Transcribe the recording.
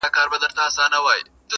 څوك به اوري كرامت د دروېشانو.!